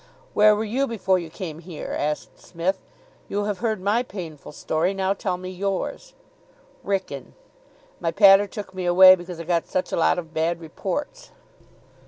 "Where were you before you came here?" asked Psmith. "You have heard my painful story. Now tell me yours." "Wrykyn. My pater took me away because I got such a lot of bad reports."